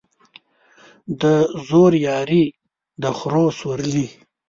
د زورياري ، د خره سورلى.